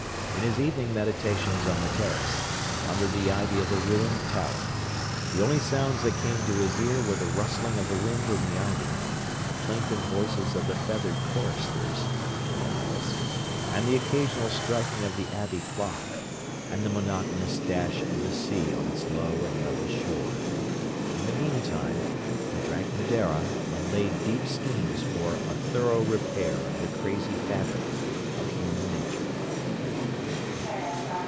In his evening meditations on the terrace, under the ivy of the ruined tower, the only sounds that came to his ear were the rustling of the wind in the ivy, the plaintive voices of the feathered choristers, the owls, the occasional striking of the Abbey clock, and the monotonous dash of the sea on its low and level shore. In the mean time, he drank Madeira, and laid deep schemes for a thorough repair of the crazy fabric of human nature.